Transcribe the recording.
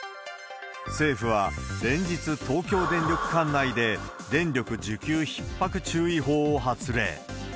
政府は、連日東京電力管内で、電力需給ひっ迫注意報を発令。